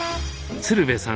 鶴瓶さん